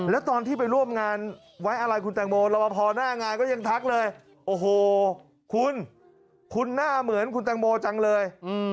แล้วตอนที่ไปร่วมงานไว้อะไรคุณแตงโมรอบพอหน้างานก็ยังทักเลยโอ้โหคุณคุณหน้าเหมือนคุณแตงโมจังเลย